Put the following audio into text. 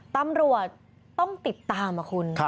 ตำรวจต้องติดตามคุณ